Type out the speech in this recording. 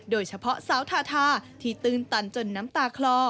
โดยเฉพาะสาวทาทาที่ตื้นตันจนน้ำตาคลอ